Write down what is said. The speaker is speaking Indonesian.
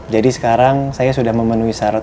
jadi sekarang saya sudah memenuhi syarat